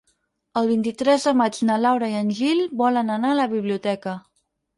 El vint-i-tres de maig na Laura i en Gil volen anar a la biblioteca.